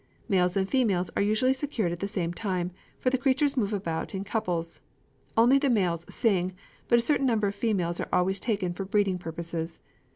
Males and females are usually secured at the same time, for the creatures move about in couples. Only the males sing; but a certain number of females are always taken for breeding purposes.